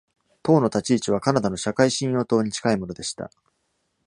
党の立ち位置はカナダの社会信用党に近いものでした。